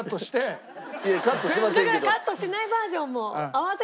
だからカットしないバージョンも。